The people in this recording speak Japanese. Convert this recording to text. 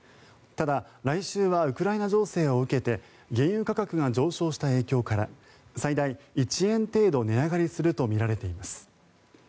ただ、来週はウクライナ情勢を受けて原油価格が上昇した影響から最大１円程度値上がりするとみられています。